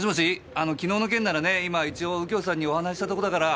あの昨日の件ならね今一応右京さんにお話ししたとこだから。